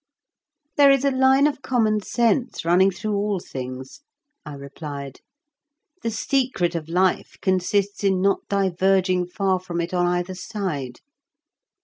"There is a line of common sense running through all things," I replied; "the secret of life consists in not diverging far from it on either side.